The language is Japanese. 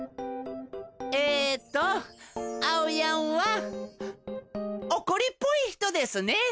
えとあおやんはおこりっぽい人ですね。